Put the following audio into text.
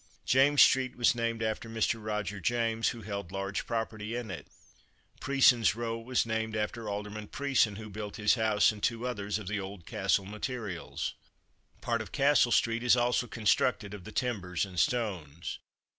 James street was named after Mr. Roger James, who held large property in it. Preeson's row was named after Alderman Preeson, who built his house and two others of the old Castle materials. Part of Castle street is also constructed of the timbers and stones.